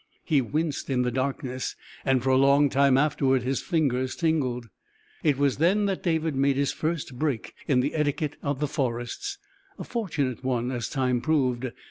He winced in the darkness, and for a long time afterward his fingers tingled. It was then that David made his first break in the etiquette of the forests; a fortunate one, as time proved.